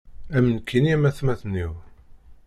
Am nekkini am atmaten-iw.